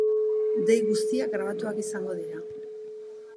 Dei guztiak grabatuak izango dira.